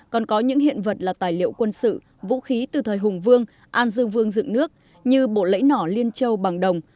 còn có những hiện vật là tài liệu quân sự vũ khí từ thời hùng vương an dương vương dựng nước như bộ lễ nỏ liên châu bằng đồng